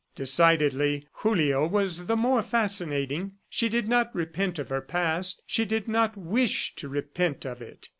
Decidedly Julio was the more fascinating. She did not repent of her past. She did not wish to repent of it.